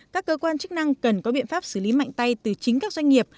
các cơ quan chức năng cần có biện pháp xử lý mạnh tay từ chính các doanh nghiệp